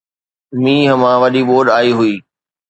مينهن مان وڏي ٻوڏ آئي هئي